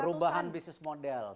perubahan bisnis model